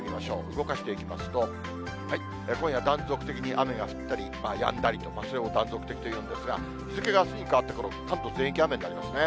動かしていきますと、今夜、断続的に雨が降ったり、やんだりとか、それを断続的というんですが、日付があすに変わって、関東全域、雨になりますね。